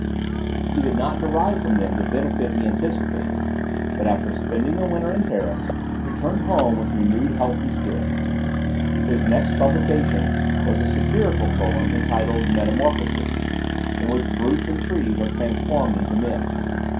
He did not derive from them the benefit he anticipated, but, after spending the winter in Paris, returned home with renewed health and spirits. His next publication, was a Satirical Poem, entitled "Metamorphosis," in which brutes and trees are transformed into men.